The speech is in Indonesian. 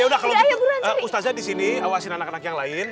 ya udah kalau gitu ustaznya disini awasin anak anak yang lain